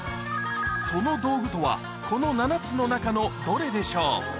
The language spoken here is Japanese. その道具とはこの７つの中のどれでしょう？